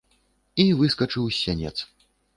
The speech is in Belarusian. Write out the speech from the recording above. І выскачыў з сянец.